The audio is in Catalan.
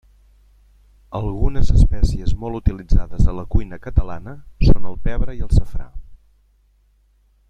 Algunes espècies molt utilitzades a la cuina catalana són el pebre i el safrà.